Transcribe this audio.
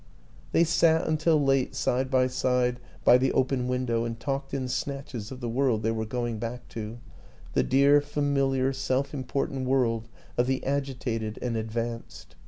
They sat until late side by side by the open window and talked in snatches of the world they were going back to the dear, familiar, self important world of the agitated and advanced.